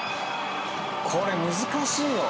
これ難しいよ。